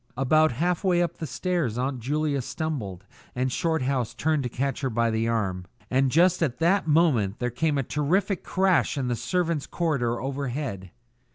About half way up the stairs Aunt Julia stumbled and Shorthouse turned to catch her by the arm, and just at that moment there came a terrific crash in the servants' corridor overhead.